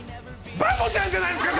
「バボちゃんじゃないですか！